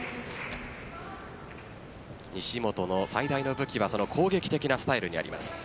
西本の最大の武器は攻撃的なスタイルにあります。